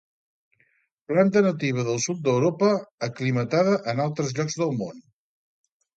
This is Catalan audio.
Planta nativa del sud d'Europa, aclimatada en altres llocs del món.